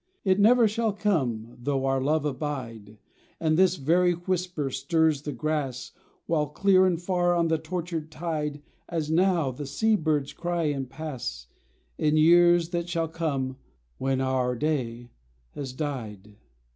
It never shall come though /ar love abide, And this very whisper stirs the grass, While clear and far on the tortured tide As now, the sea birds cry and pass In years that shall come when our day has died.